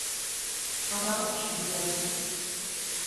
Аралтышым пуа.